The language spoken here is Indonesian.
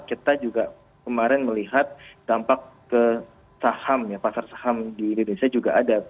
kita juga kemarin melihat dampak ke saham ya pasar saham di indonesia juga ada